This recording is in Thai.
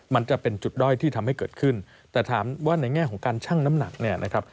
มันจะเป็นจุดด้อยที่ทำให้เกิดขึ้นแต่ถามว่าในแง่ของการชั่งน้ำหนักเนี่ยนะครับ